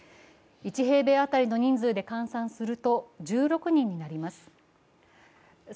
１平米当たりの人数で換算すると１６人になります。